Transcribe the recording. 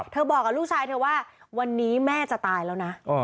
บอกกับลูกชายเธอว่าวันนี้แม่จะตายแล้วนะ